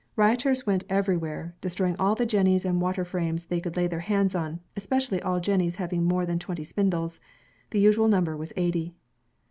Rioters went everywhere, destroying all the jennies and water frames they could lay their hands on, especially all jennies having more than twenty spindles. The usual number was eighty.